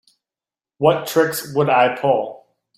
What tricks would I pull?